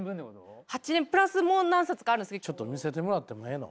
ちょっと見せてもらってもええの？